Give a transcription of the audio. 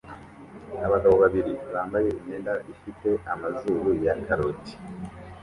Abagabo babiri bambaye imyenda ifite amazuru ya karoti